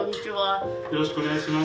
よろしくお願いします。